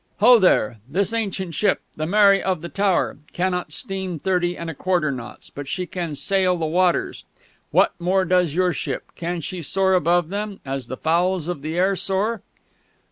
"Ho, there!... This ancient ship, the Mary of the Tower, cannot steam thirty and a quarter knots, but yet she can sail the waters. What more does your ship? Can she soar above them, as the fowls of the air soar?"